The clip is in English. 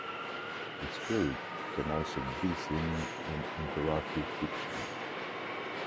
Its spirit can also be seen in interactive fiction.